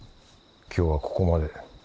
今日はここまで。